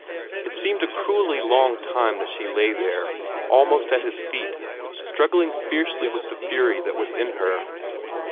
It seemed a cruelly long time that she lay there, almost at his feet, struggling fiercely with the fury that was in her.